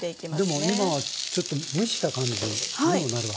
でも今はちょっと蒸した感じにもなるわけですね。